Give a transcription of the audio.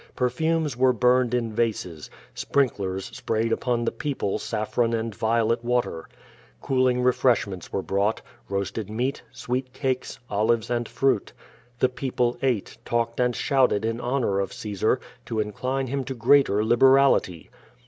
Perfumes were burned in vases. Sprinklers sj)rayed upon the people safTron and violet water. Cooling refreshments were brought — roasted meat, sweet cakes, olives and fruit. The people ate, talked and shouted in honor of Caesar, to incline him to greater liberality.